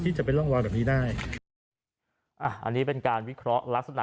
ที่จะไปล่องวาดแบบนี้ได้อ่าอันนี้เป็นการวิเคราะห์ลักษณะ